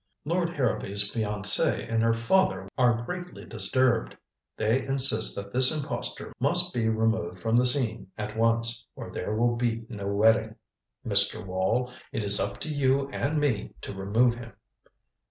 "Lord Harrowby's fiancée and her father are greatly disturbed. They insist that this impostor must be removed from the scene at once, or there will be no wedding. Mr. Wall it is up to you and me to remove him."